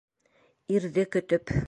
Ирҙе көтөп.